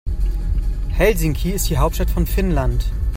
Helsinki ist die Hauptstadt von Finnland.